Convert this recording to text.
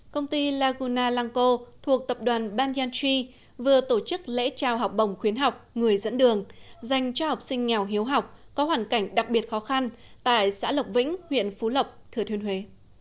công ty laguna lăng cô thuộc tập đoàn ban yandry vừa tổ chức lễ trao học bổng khuyến học người dẫn đường dành cho học sinh nghèo hiếu học có hoàn cảnh đặc biệt khó khăn tại xã lộc vĩnh huyện phú lộc thừa thuyên huế